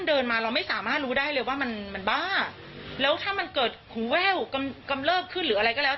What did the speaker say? ดูได้เลยว่ามันบ้าแล้วถ้ามันเกิดหูแว่วกำเลิกขึ้นหรืออะไรก็แล้ว